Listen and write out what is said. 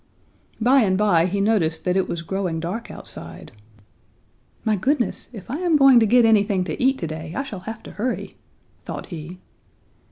"By and by he noticed that it was growing dark outside. 'My goodness! If I am going to get anything to eat to day, I shall have to hurry,' thought he.